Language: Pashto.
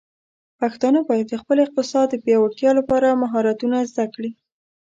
پښتانه بايد د خپل اقتصاد د پیاوړتیا لپاره مهارتونه زده کړي.